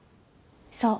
そう。